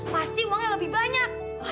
pasti uangnya lebih banyak